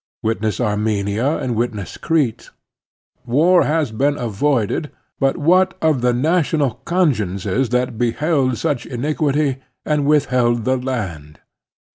Witness Armenia and witness Crete. War has been avoided; but what of the national consciences as 26 The Strenuous Life that beheld such iniqtiity and withheld the hand?"